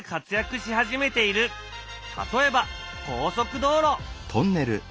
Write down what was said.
例えば高速道路！